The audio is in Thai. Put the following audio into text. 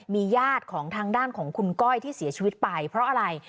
มีญาติของทางด้านของคุณก้อยที่เสียชีวิตไปเพราะอะไร